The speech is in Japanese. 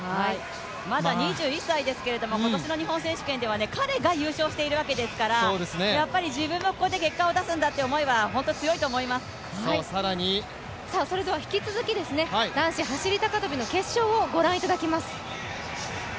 まだ２１歳ですけれども、今年の日本選手権では彼が優勝しているわけですから、自分もここで結果を出すんだと思えば引き続き男子走高跳の決勝をご覧いただきます。